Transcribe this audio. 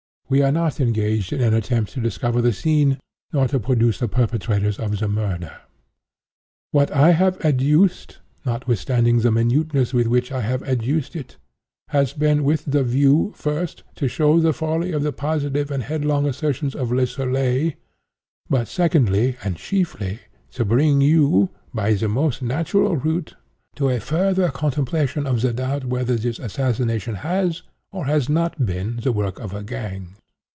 We are not engaged in an attempt to discover the scene, but to produce the perpetrators of the murder. What I have adduced, notwithstanding the minuteness with which I have adduced it, has been with the view, first, to show the folly of the positive and headlong assertions of Le Soleil, but secondly and chiefly, to bring you, by the most natural route, to a further contemplation of the doubt whether this assassination has, or has not, been the work of a gang.